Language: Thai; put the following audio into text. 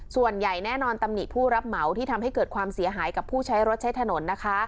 ส่วนใหญ่แน่นอนตำหนิผู้รับเหมาที่ทำให้เกิดความเสียหายกับผู้ใช้รถใช้ถนนนะคะ